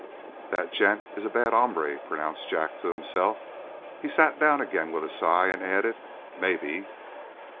"That gent is a bad hombre," pronounced Jack to himself. He sat down again with a sigh, and added: "Maybe."